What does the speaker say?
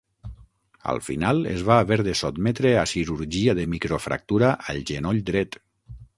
Al final es va haver de sotmetre a cirurgia de microfractura al genoll dret.